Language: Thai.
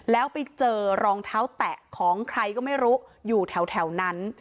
แล้วไปเจอรองเท้าแตะของใครก็ไม่รู้อยู่แถวนั้น